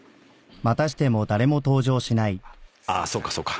あそうかそうか。